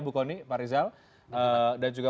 bukoni pak rizal dan juga